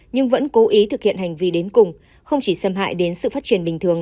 nhưng vẫn cố ý thực hiện hành vi đến cùng không chỉ xâm hại đến sự phát triển bình thường